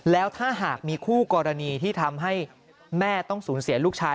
แล้วถ้าหากมีคู่กรณีที่ทำให้แม่ต้องสูญเสียลูกชาย